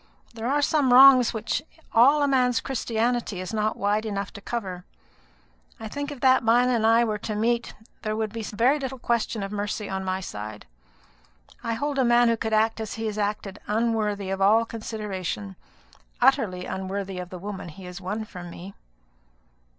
There are some wrongs which all a man's Christianity is not wide enough to cover. I think if that man and I were to meet, there would be very little question of mercy on my side. I hold a man who could act as he has acted unworthy of all consideration utterly unworthy of the woman he has won from me."